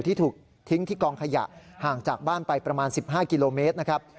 ที่ถูกทิ้งที่กองขยะห่างจากบ้านไปประมาณ๑๕กิโลเมตรนะครับ